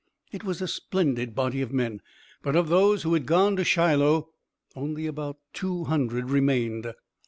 It was a splendid body of men, but of those who had gone to Shiloh only about two hundred remained.